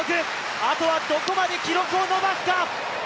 あとはどこまで記録を伸ばすか。